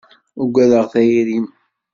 Ugadeɣ tayri-m.